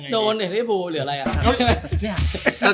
โดนหรืออะไรอ่ะ